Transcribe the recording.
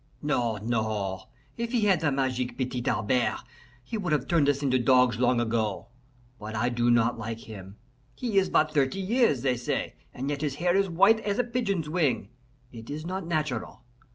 "No, no! If he had the magic Petit Albert, he would have turned us into dogs long ago. But I do not like him. He is but thirty years, they say, and yet his hair is white as a pigeon's wing. It is not natural.